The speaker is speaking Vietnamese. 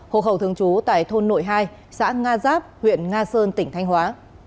hộ khẩu thường trú tại thôn nội hai xã nga giáp huyện nga sơn tỉnh thanh hóa